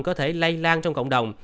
có thể lây lan trong cộng đồng